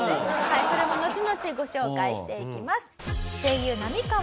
それも後々ご紹介していきます。